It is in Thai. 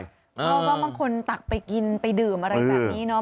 เพราะว่าบางคนตักไปกินไปดื่มอะไรแบบนี้เนาะ